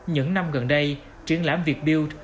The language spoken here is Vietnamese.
những năm gần đây triển lãm việc build